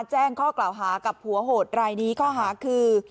แจ้งข้อกล่าวหากับผัวโหดรายนี้ข้อหาคือ